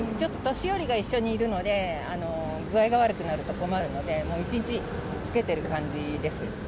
年寄りが一緒にいるので、具合が悪くなると困るので、もう一日、つけてる感じです。